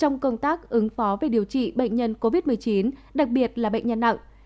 trong công tác ứng phó về điều trị bệnh nhân covid một mươi chín đặc biệt là bệnh nhân nặng